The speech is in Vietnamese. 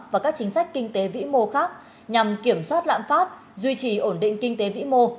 và các chính sách kinh tế vĩ mô khác nhằm kiểm soát lãm phát duy trì ổn định kinh tế vĩ mô